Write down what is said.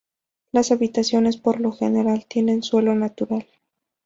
Las habitaciones por lo general tienen suelo natural.